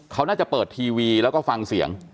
เขาน่าจะเปิดทีวีแล้วก็ฟังเสียง